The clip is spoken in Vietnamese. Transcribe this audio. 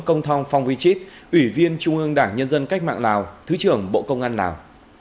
công thong phong vi chít ủy viên trung ương đảng nhân dân cách mạng lào thứ trưởng bộ công an lào